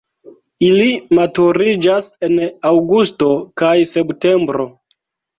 Ili maturiĝas en aŭgusto kaj septembro.